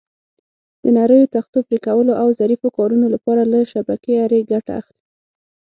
د نریو تختو پرېکولو او ظریفو کارونو لپاره له شبکې آرې ګټه اخلي.